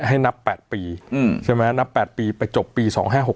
ให้นับ๘ปีนับ๘ปีไปจบปี๒๕๖๘